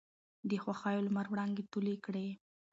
د خـوښـيو لمـر وړانـګې تـولې کـړې.